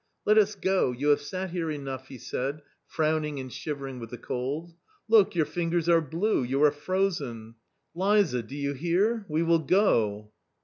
" Let us go, you have sat here enough," he said, frowning and shivering with the cold ;" look, your fingers are blue, you are frozen. Liza ! do you hear? we will go."